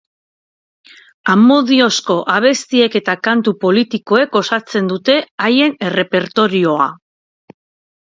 Amodiozko abestiek eta kantu politikoek osatzen dute haien errepertorioa.